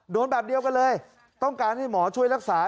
แบบเดียวกันเลยต้องการให้หมอช่วยรักษา